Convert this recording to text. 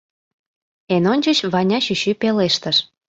Эн ончыч Ваня чӱчӱ пелештыш: